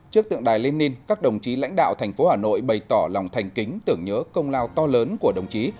trước tượng đài lenin các đồng chí lãnh đạo thành phố hà nội bày tỏ lòng thành kính tưởng nhớ công lao to lớn của đồng chí